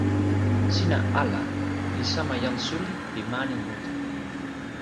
sina ala li sama jan suli pi mani mute.